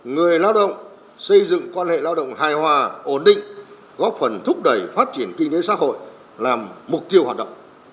người lao động xây dựng quan hệ lao động hài hòa ổn định góp phần thúc đẩy phát triển kinh tế xã hội làm mục tiêu hoạt động